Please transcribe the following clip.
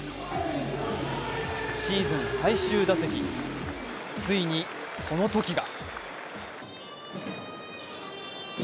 シーズン最終打席、ついに、その時が。